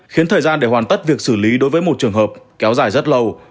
khiến thời gian để hoàn tất việc xử lý đối với một trường hợp kéo dài rất lâu